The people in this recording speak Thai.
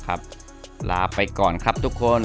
ลาไปก่อนครับทุกคน